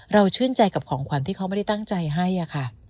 ชื่นใจกับของขวัญที่เขาไม่ได้ตั้งใจให้ค่ะ